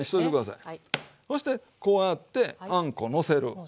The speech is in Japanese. そしてこうやってあんこのせる。